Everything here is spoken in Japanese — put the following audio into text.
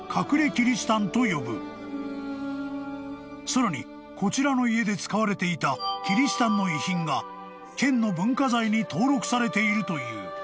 ［さらにこちらの家で使われていたキリシタンの遺品が県の文化財に登録されているという］